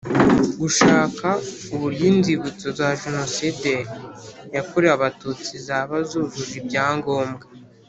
Gushaka uburyo inzibutso za jenoside yakorewe abatutsi mu zaba zujuje ibyangombwa